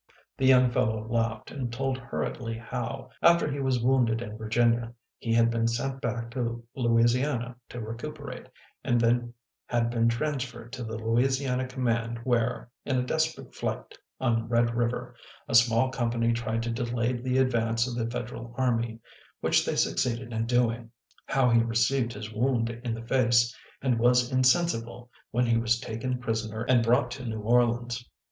The young fellow laughed and told hurriedly how, after he was wounded in Virginia he had been sent back to Louisiana to recuperate, and then had been transferred to the Louisiana command where, in a desperate fight on Red River, a small company tried to delay the advance of the Federal army, which they succeeded in doing; how he received his wound in the face, and was insensible when he was taken prisoner and brought to New Orleans.